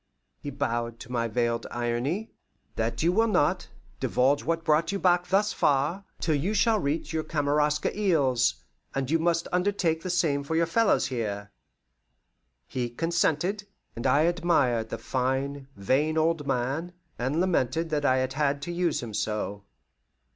he bowed to my veiled irony "that you will not divulge what brought you back thus far, till you shall reach your Kamaraska Isles; and you must undertake the same for your fellows here." He consented, and I admired the fine, vain old man, and lamented that I had had to use him so.